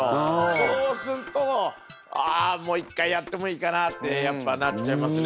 そうすると「あもう一回やってもいいかな」ってやっぱなっちゃいますね。